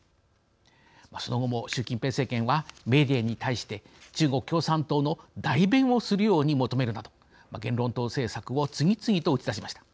その後も習近平政権はメディアに対して中国共産党の代弁をするように求めるなど言論統制策を次々と打ち出しました。